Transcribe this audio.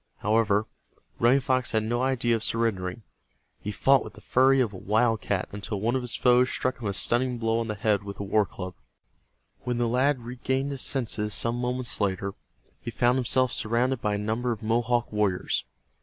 However, Running Fox had no idea of surrendering. He fought with the fury of a wildcat until one of his foes struck him a stunning blow on the head with a war club. When the lad regained his senses some moments later he found himself surrounded by a number of Mohawk warriors.